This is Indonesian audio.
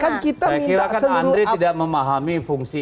saya kira kan andre tidak memahami fungsi